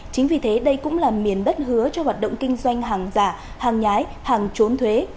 chính vì thế đây cũng là miền đất hứa cho hoạt động kinh doanh hàng giả hàng nhái hàng trốn thuế